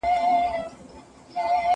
زه به سبا د ښوونځی لپاره امادګي نيسم وم؟!